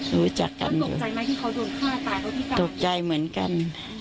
รู้จักกันอยู่ตกใจเหมือนกัน